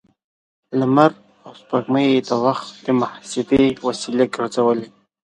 لمر او سپوږمۍ يې د وخت د محاسبې وسیلې ګرځولې.